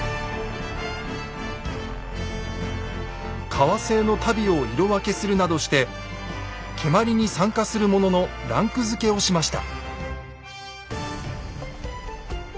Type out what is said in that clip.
革製の足袋を色分けするなどして蹴鞠に参加する者のランクづけをしました。